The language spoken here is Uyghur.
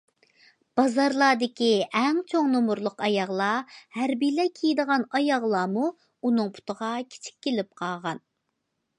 بازارلاردىكى ئەڭ چوڭ نومۇرلۇق ئاياغلار، ھەربىيلەر كىيىدىغان ئاياغلارمۇ ئۇنىڭ پۇتىغا كىچىك كېلىپ قالغان.